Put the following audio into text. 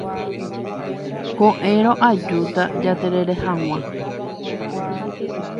Ko'ẽrõ ajúta jaterere hag̃ua.